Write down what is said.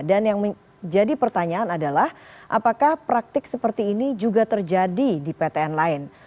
dan yang menjadi pertanyaan adalah apakah praktik seperti ini juga terjadi di ptn lain